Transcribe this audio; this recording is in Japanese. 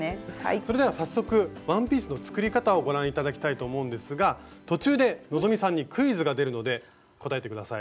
それでは早速ワンピースの作り方をご覧頂きたいと思うんですが途中で希さんにクイズが出るので答えて下さい。